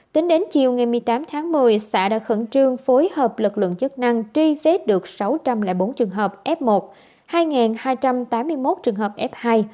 tính đến chiều ngày một mươi tám tháng một mươi xã đã khẩn trương phối hợp lực lượng chức năng truy vết được sáu trăm linh bốn trường hợp f một hai hai trăm tám mươi một trường hợp f hai